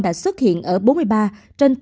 đã xuất hiện